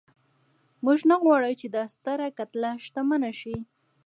موږ نه غواړو چې دا ستره کتله شتمنه شي.